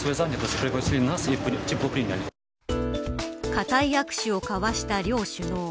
固い握手を交わした両首脳。